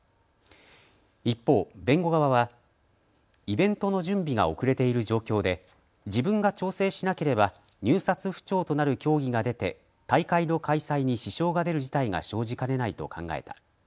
一方、弁護側はイベントの準備が遅れている状況で自分が調整しなければ入札不調となる競技が出て大会の開催に支障が出る事態が生じかねないと考えた。